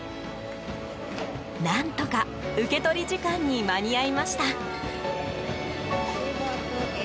何とか、受け取り時間に間に合いました。